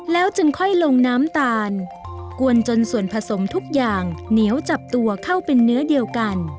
แล้วจึงค่อยลงน้ำตาลกวนจนส่วนผสมทุกอย่างเหนียวจับตัวเข้าเป็นเนื้อเดียวกัน